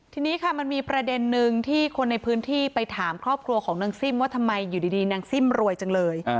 ทีนี้ค่ะมันมีประเด็นนึงที่คนในพื้นที่ไปถามครอบครัวของนางซิ่มว่าทำไมอยู่ดีนางซิ่มรวยจังเลย